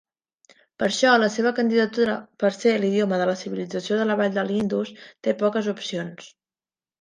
Per això, la seva candidatura per ser l'idioma de la civilització de la vall de l'Indus té poques opcions.